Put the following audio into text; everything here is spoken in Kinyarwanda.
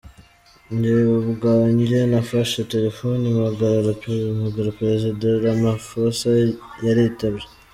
Njye ubwa njye nafashe telefoni mpamagara Perezida Ramaphosa, yaritabye.